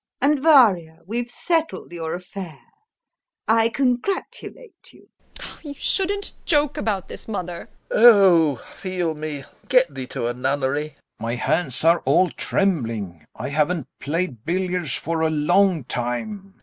And Varya, we've settled your affair; I congratulate you. VARYA. You shouldn't joke about this, mother. LOPAKHIN. Oh, feel me, get thee to a nunnery. GAEV. My hands are all trembling; I haven't played billiards for a long time.